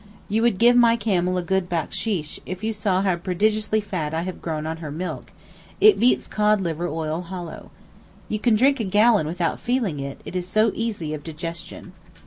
You would give my camel a good backsheesh if you saw how prodigiously fat I have grown on her milk; it beats codliver oil hollow. You can drink a gallon without feeling it, it is so easy of digestion.